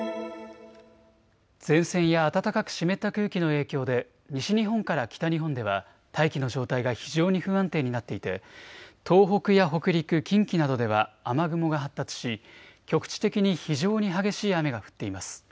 前線や暖かく湿った空気の影響で西日本から北日本では大気の状態が非常に不安定になっていて東北や北陸、近畿などでは雨雲が発達し局地的に非常に激しい雨が降っています。